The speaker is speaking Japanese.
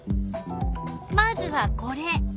まずはこれ。